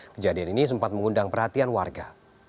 kejadian ini sempat mengundang perhatian warga